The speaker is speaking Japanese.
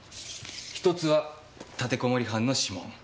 一つは立てこもり犯の指紋。